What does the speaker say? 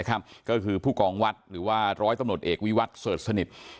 ก็คือผู้กองวัดหรือว่าร้อยตำรวจเอกวิวัตรเสิร์ชสนิท